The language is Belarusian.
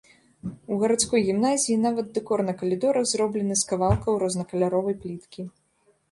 У гарадской гімназіі нават дэкор на калідорах зроблены з кавалкаў рознакаляровай пліткі.